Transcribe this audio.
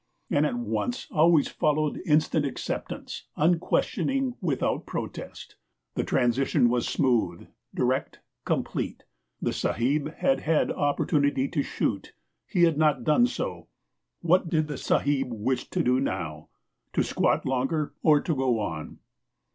And at once always followed instant acceptance, unquestioning, without protest. The transition was smooth, direct, complete: the sahib had had opportunity to shoot; he had not done so; what did the sahib wish to do now to squat longer or to go on?